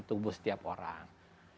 tubuh setiap orang